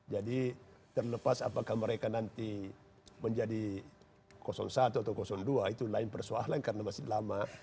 jadi terlepas apakah mereka nanti menjadi satu atau dua itu lain persoalan karena masih lama